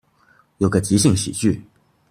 有個即興喜劇